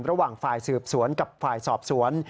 ระหว่างฝ่ายสืบสวนกับฝ่ายสอบสวน